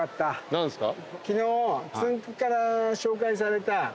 何すか？